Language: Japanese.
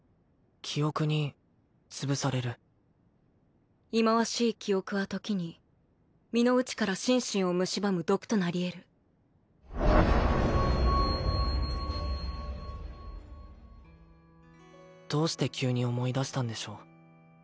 記憶に潰される忌まわしい記憶はときに身の内から心身をむしばむ毒となり得るどうして急に思い出したんでしょう